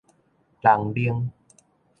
人奶